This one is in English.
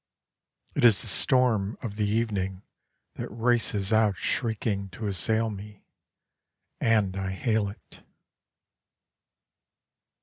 It is the storm of the evening That races out shrieking To assail me, And I hail it.